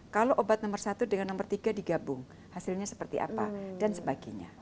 kalau obat nomor satu dengan nomor tiga digabung hasilnya seperti apa dan sebagainya